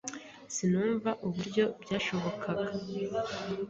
Sinumva uburyo byashobokaga.